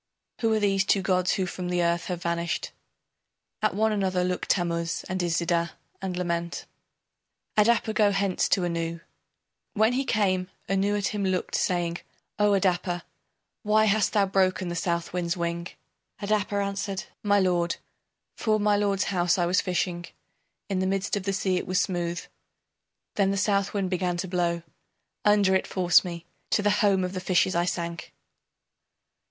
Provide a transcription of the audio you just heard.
Who are these two gods who from the earth have vanished? At one another look Tammuz and Iszida and lament. Adapa go hence to Anu. When he came, Anu at him looked, saying, O Adapa, Why hast thou broken the Southwind's wing? Adapa answered: My lord, 'Fore my lord's house I was fishing, In the midst of the sea, it was smooth, Then the Southwind began to blow Under it forced me, to the home of the fishes I sank.